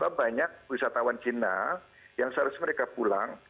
bahwa banyak wisatawan cina yang seharusnya mereka pulang